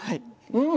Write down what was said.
うん。